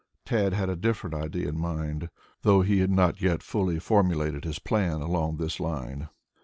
Tad had a different idea in mind, though he had not yet fully formulated his plans along this line.